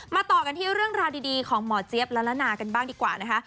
ต่อกันที่เรื่องราวดีของหมอเจี๊ยบละละนากันบ้างดีกว่านะคะ